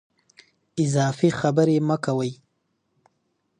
اضافي خبرې مه کوئ.